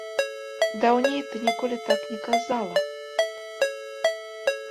Даўней ты ніколі так не казала.